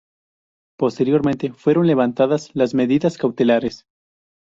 Posteriormente fueron levantadas las medidas cautelares.